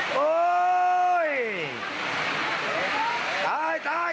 ตายตายตายตาย